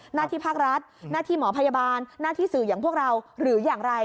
หน้าที่ภาครัฐหน้าที่หมอพยาบาลหน้าที่สื่ออย่างพวกเราหรืออย่างไร